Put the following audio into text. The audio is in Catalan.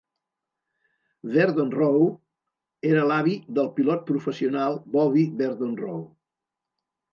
Verdon Roe era l'avi del pilot professional Bobby Verdon-Roe.